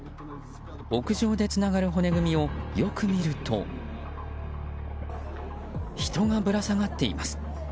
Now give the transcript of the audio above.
屋上でつながる骨組みをよく見ると人がぶら下がっています。